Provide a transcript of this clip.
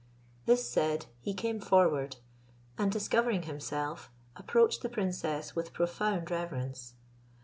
This said, he came forward, and discovering himself, approached the princess with profound reverence.